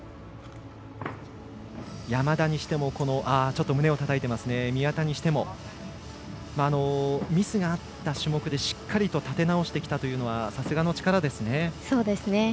山田にしても、宮田にしてもミスがあった種目でしっかりと立て直してきたというのはさすがの力ですね。